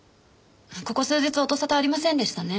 ここ数日音沙汰ありませんでしたね。